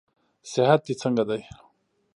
صحت دې څنګه دئ؟